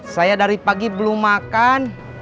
saya dari pagi belum makan